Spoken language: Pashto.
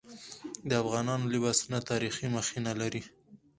د افغانانو لباسونه تاریخي مخینه لري.